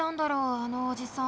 あのおじさん。